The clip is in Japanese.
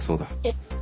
えっ？